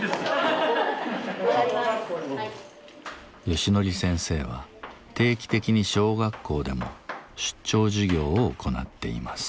ヨシノリ先生は定期的に小学校でも出張授業を行っています。